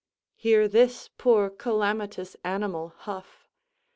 Hear this poor calamitous animal huff!